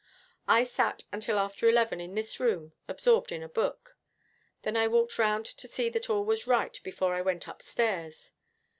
I sat until after eleven in this room, absorbed in a book. Then I walked round to see that all was right before I went upstairs.